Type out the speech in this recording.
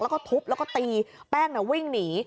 แล้วก็ทุบแล้วก็ตีแป้งวิ่งหนี